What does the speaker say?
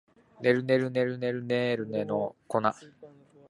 ねるねるねるねの一の粉